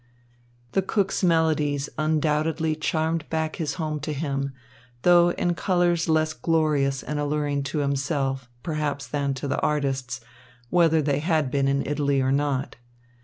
The cook's melodies undoubtedly charmed back his home to him, though in colours less glorious and alluring to himself, perhaps, than to the artists, whether they had been in Italy or not.